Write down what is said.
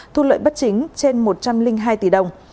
thu lợi bất chính trên một trăm linh hai tỷ đồng